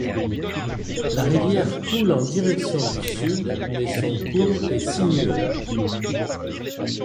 La rivière coule en direction du sud mais son cours est sinueux.